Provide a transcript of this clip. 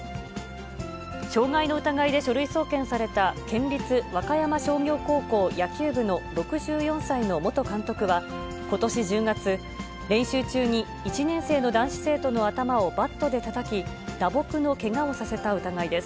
傷害の疑いで書類送検された県立和歌山商業高校野球部の６４歳の元監督は、ことし１０月、練習中に１年生の男子生徒の頭をバットでたたき、打撲のけがをさせた疑いです。